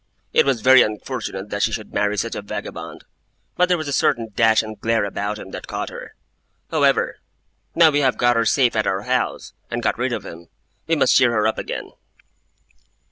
It was very unfortunate that she should marry such a vagabond. But there was a certain dash and glare about him that caught her. However, now we have got her safe at our house, and got rid of him, we must cheer her up again.